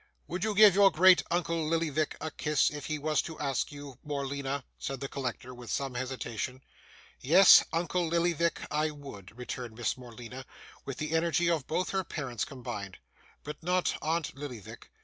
'Would you give your great uncle Lillyvick a kiss if he was to ask you, Morleena?' said the collector, with some hesitation. 'Yes; uncle Lillyvick, I would,' returned Miss Morleena, with the energy of both her parents combined; 'but not aunt Lillyvick.